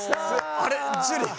あれ樹？